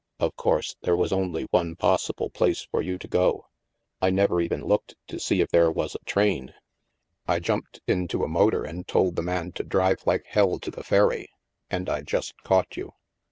Of course, there was only one possible place for you to go. I never even looked to see if there was a train. I 266 THE MASK jumped into a motor and told the man to drive like Hell to the ferry, and I just caught you.''